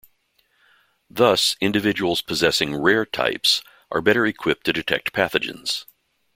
Thus, individuals possessing rare types are better equipped to detect pathogens.